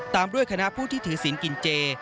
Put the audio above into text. ตามด้วยคณะผู้ที่ถือศิลป์กินเจ